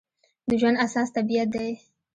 د ژوند اساس طبیعت دی.